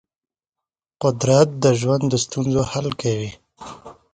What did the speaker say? قدرت د ژوند د ستونزو حل کوي.